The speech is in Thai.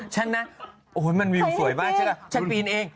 ฉันนะมันวิวสวยมากฉันก็ฉันปีนเอง